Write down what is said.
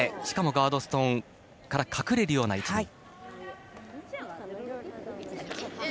しかもガードストーンから隠れるような位置。